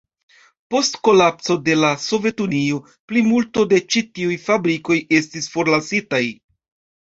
Post kolapso de la Sovetunio plimulto de ĉi tiuj fabrikoj estis forlasitaj.